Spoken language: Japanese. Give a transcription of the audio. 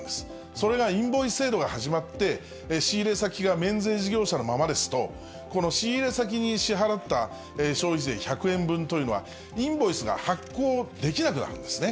それがインボイス制度が始まって、仕入れ先が免税事業者のままですと、この仕入れ先に支払った消費税１００円分というのは、インボイスが発行できなくなるんですね。